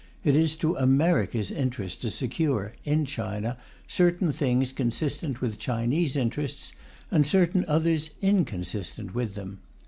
It is to America's interest to secure, in China, certain things consistent with Chinese interests, and certain others inconsistent with them.